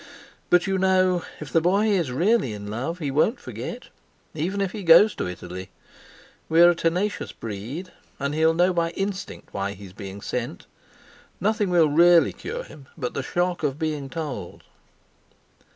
But you know if the boy is really in love, he won't forget, even if he goes to Italy. We're a tenacious breed; and he'll know by instinct why he's being sent. Nothing will really cure him but the shock of being told."